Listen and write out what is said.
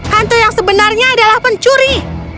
hantu yang sebenarnya adalah pencuri